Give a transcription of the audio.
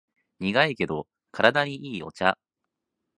苦いけど体にいいお茶